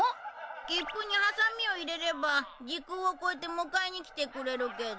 キップにハサミを入れれば時空を超えて迎えに来てくれるけど。